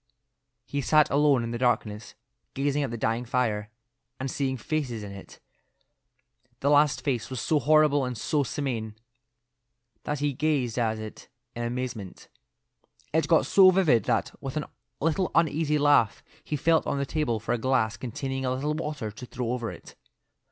He sat alone in the darkness, gazing at the dying fire, and seeing faces in it. The last face was so horrible and so simian that he gazed at it in amazement. It got so vivid that, with a little uneasy laugh, he felt on the table for a glass containing a little water to throw over it.